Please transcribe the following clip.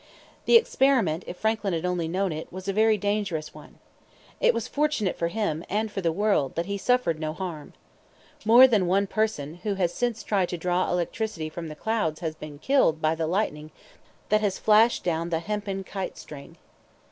That experiment, if Franklin had only known it, was a very dangerous one. It was fortunate for him, and for the world, that he suffered no harm. More than one person who has since tried to draw electricity from the clouds has been killed by the lightning that has flashed down the hempen kite string.